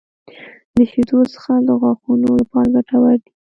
• د شیدو څښل د غاښونو لپاره ګټور دي.